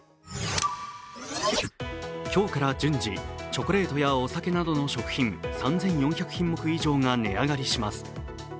今日から順次、チョコレートやお酒などの食品、３２００品目以上が値上げします。